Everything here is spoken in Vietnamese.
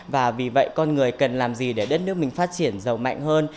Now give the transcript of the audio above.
và vì vậy con người cần làm gì để đất nước mình phát triển giàu mạnh hơn